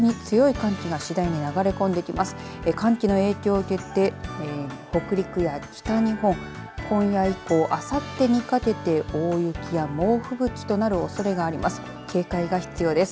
寒気の影響を受けて北陸や北日本今夜以降、あさってにかけて大雪や猛吹雪となるおそれがあります。